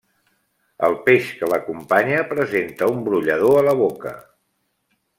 El peix que l'acompanya presenta un brollador a la boca.